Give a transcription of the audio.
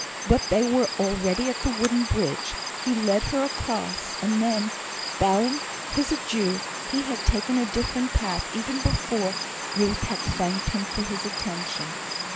But they were already at the wooden bridge; he led her across, and then, bowing his adieu, he had taken a different path even before Ruth had thanked him for his attention.